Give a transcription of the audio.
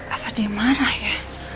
apa dia marah ya